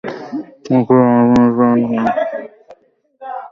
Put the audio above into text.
কিন্তু জামিনে ছাড়া পেয়ে আবারও জাল রুপি তৈরি শুরু করেন তিনি।